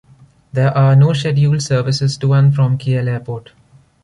There are no scheduled services to and from Kiel Airport.